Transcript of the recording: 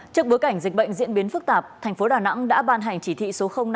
trước bối cảnh dịch bệnh diễn biến phức tạp thành phố đà nẵng đã ban hành chỉ thị số năm